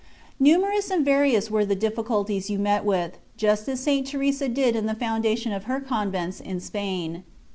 Numerous and various were the diffi culties you met with, just as St. Teresa did in the foundation of her convents in Spain.